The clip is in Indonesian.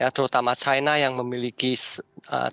terutama china yang memiliki stabilitas